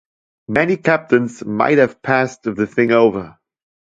Many captains might have passed the thing over.